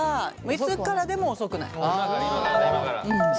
「いつからでも遅くない」。